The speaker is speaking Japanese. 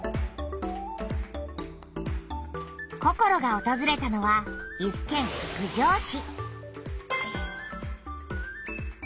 ココロがおとずれたのは岐阜県郡上市。